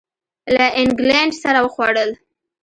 له اینګلینډ سره وخوړل.